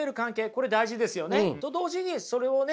これ大事ですよね。と同時にそれをね